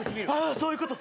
あそういうこと。